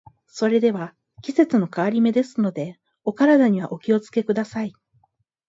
それでは、季節の変わり目ですので、お体にはお気を付けください。